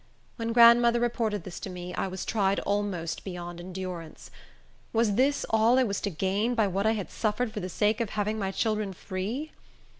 When grandmother reported this to me, I was tried almost beyond endurance. Was this all I was to gain by what I had suffered for the sake of having my children free?